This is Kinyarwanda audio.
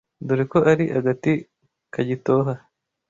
Dore ko ari agati kagitoha